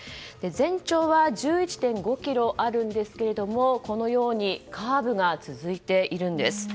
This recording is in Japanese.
全長は１１．５ｋｍあるんですがこのようにカーブが続いているんです。